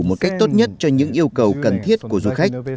một cách tốt nhất cho những yêu cầu cần thiết của du khách